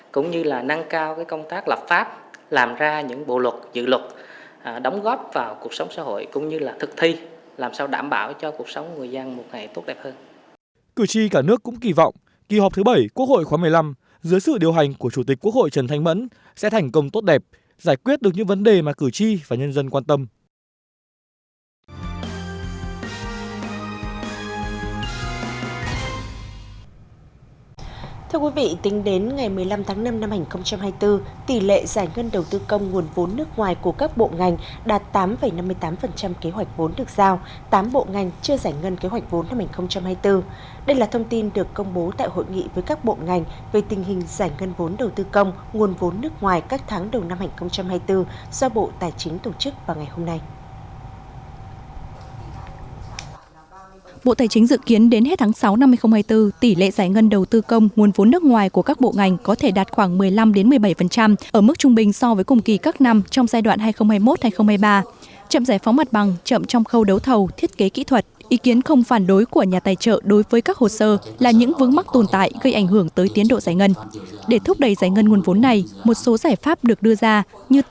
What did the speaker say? cũng như là năng cao công tác lập pháp làm ra những bộ luật dự luật đóng góp vào cuộc sống xã hội cũng như là thực thi làm sao đảm bảo cho cuộc sống người dân một ngày tốt đẹp hơn